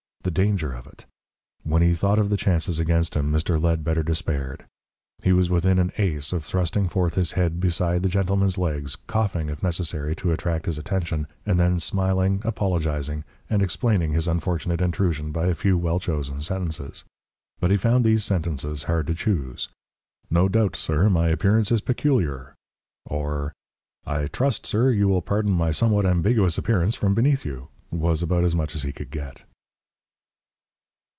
The danger of it! When he thought of the chances against him, Mr. Ledbetter despaired. He was within an ace of thrusting forth his head beside the gentleman's legs, coughing if necessary to attract his attention, and then, smiling, apologising and explaining his unfortunate intrusion by a few well chosen sentences. But he found these sentences hard to choose. "No doubt, sir, my appearance is peculiar," or, "I trust, sir, you will pardon my somewhat ambiguous appearance from beneath you," was about as much as he could get.